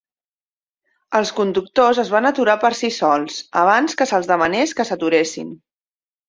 Els conductors es van aturar per si sols, abans que se'ls demanés que s'aturessin.